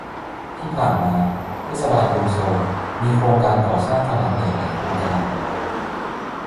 ที่ผ่านมาเทศบาลกรุงโซลมีโครงการก่อสร้างขนาดใหญ่หลายโครงการ